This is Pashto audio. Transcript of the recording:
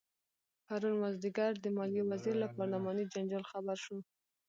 پرون مازدیګر د مالیې وزیر له پارلماني جنجال خبر شو.